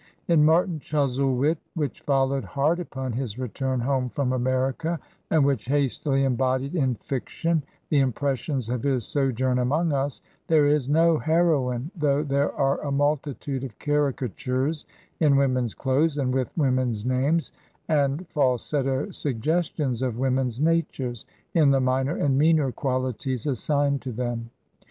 In " Martin Chuzzlewit," which followed hard upon his return home from America, and which hastily embodied in fiction the impressions of his so journ among us, there is no heroine, though there are a multitude of caricatures in women's clothes and with women's names, and falsetto suggestions of women's natures in the minor and meaner qualities assigned to them.